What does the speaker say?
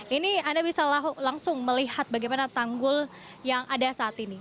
ini anda bisa langsung melihat bagaimana tanggul yang ada saat ini